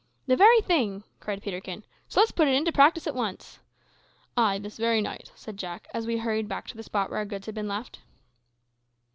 "The very thing," cried Peterkin. "So let's put it in practice at once." "Ay, this very night," said Jack, as we hurried back to the spot where our goods had been left.